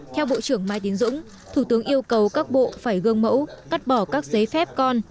theo bộ trưởng mai tiến dũng thủ tướng yêu cầu các bộ phải gương mẫu cắt bỏ các giấy phép con